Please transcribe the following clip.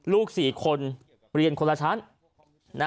ลูก๔คนเรียนคนละชั้น